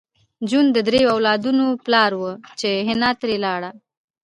جون د دریو اولادونو پلار و چې حنا ترې لاړه